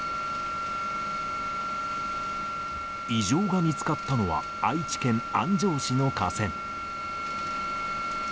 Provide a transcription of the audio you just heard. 異常が見つかったのは、愛知県安城市の架線。